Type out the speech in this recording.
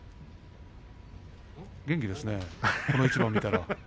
元気ですね、この一番を見たら。